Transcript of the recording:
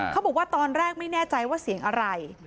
เขาบอกว่าตอนแรกไม่แน่ใจว่าเสียงอะไร